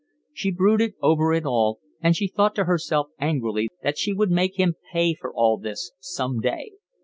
She brooded over it all, and she thought to herself angrily that she would make him pay for all this some day.